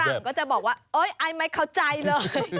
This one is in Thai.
ก็จะบอกว่าโอ๊ยไอ้ไม่เข้าใจเลย